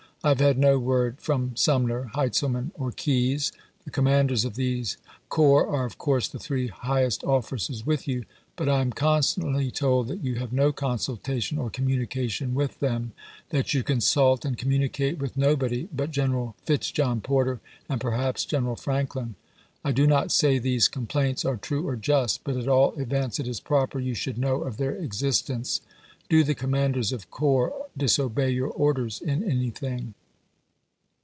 I have had no word from Sumner, Heintzelmau, or Keyes. The commanders of these corps are of course the three highest officers with you, but I am constantly told that you have no consultation or com munication with them ; that you consult and communi cate with nobody but General Fitz John Porter and perhaps General Franklin. I do not say these complaints are true or just, but at all events it is proper you should know of their existence. Do the commanders of corps disobey your orders in anything!